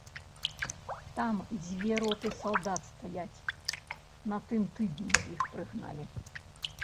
Там дзве роты салдат стаяць, на тым тыдні іх прыгналі.